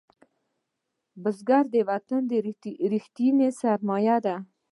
بزګر د وطن ریښتینی سرمایه ده